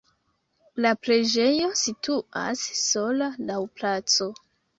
La preĝejo situas sola laŭ placo.